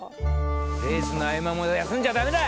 レースの合間も休んじゃダメだ！